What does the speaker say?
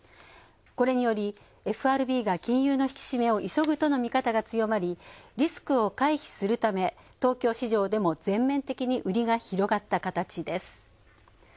これにより、ＦＲＢが金融の引き締めを急ぐとの見方が強まり、リスクを回避するため、東京市場でも全面的に売りが広がった形です。